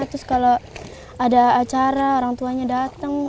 terus kalau ada acara orang tuanya datang